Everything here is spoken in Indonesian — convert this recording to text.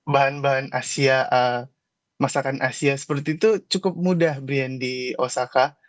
bahan bahan asia masakan asia seperti itu cukup mudah brian di osaka